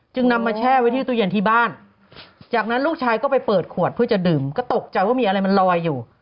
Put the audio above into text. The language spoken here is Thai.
นำมาแช่ไว้ที่ตู้เย็นที่บ้านจากนั้นลูกชายก็ไปเปิดขวดเพื่อจะดื่มก็ตกใจว่ามีอะไรมันลอยอยู่